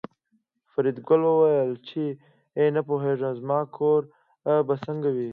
فریدګل وویل چې نه پوهېږم زما کور به څنګه وي